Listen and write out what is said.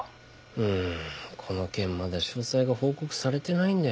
うーんこの件まだ詳細が報告されてないんだよなあ。